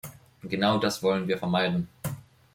Genau das wollen wir vermeiden.